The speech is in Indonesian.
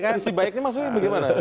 sisi baiknya maksudnya bagaimana